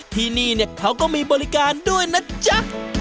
ที่นี่เขาก็มีบริการด้วยนะจ๊ะ